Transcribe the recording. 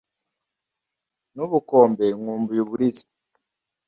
N'ubukombe nkumbuye uburiza